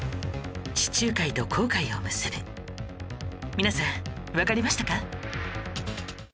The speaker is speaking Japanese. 皆さんわかりましたか？